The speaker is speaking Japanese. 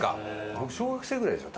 僕小学生ぐらいでしょ？